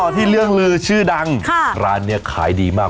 ที่เรื่องลือชื่อดังร้านนี้ขายดีมาก